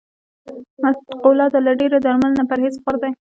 مقوله ده: له ډېری درملو نه پرهېز غور دی.